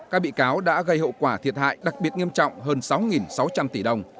các bị cáo đã gây hậu quả thiệt hại đặc biệt nghiêm trọng hơn sáu sáu trăm linh tỷ đồng